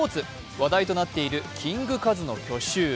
話題となっているキングカズの去就。